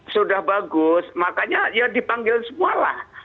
sudah bagus makanya ya dipanggil semua lah